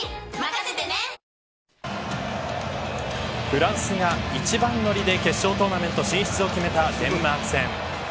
フランスが一番乗りで決勝トーナメント進出を決めたデンマーク戦。